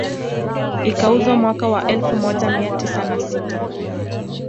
Ikauzwa mwaka wa elfu moja mia tisa na sita